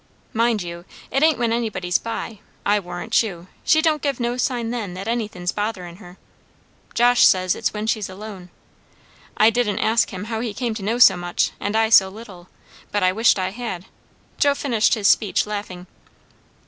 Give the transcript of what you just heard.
Mind you, it ain't when anybody's by; I warrant you, she don't give no sign then that anythin's botherin' her; Josh says it's when she's alone. I didn't ask him how he come to know so much, and so little; but I wisht I had," Joe finished his speech laughing.